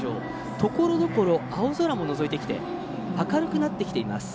ところどころ青空ものぞいてきて明るくなってきています。